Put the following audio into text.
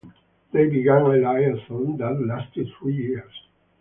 They began a liaison that lasted three years.